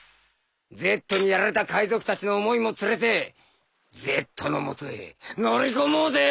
Ｚにやられた海賊たちの思いも連れてＺの元へ乗り込もうぜ。